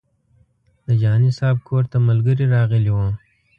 د جهاني صاحب کور ته ملګري راغلي وو.